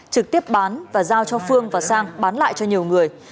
trực tiếp bán và giao cho phương và sang bán lại cho nhiều người